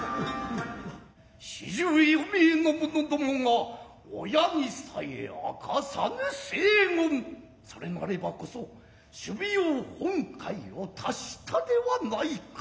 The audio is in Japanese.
四十余名の者共が親にさえ明さぬ誓言されなればこそ首尾よう本懐を達したではないか。